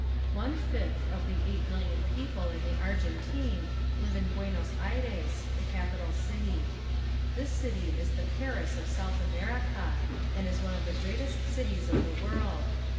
One fifth of the eight million people in the Argentine live in Buenos Aires, the capital city. This city is the Paris of South America and is one of the great cities of the world.